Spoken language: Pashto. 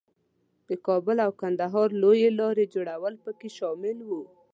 د کابل او کندهار لویې لارې جوړول پکې شامل وو.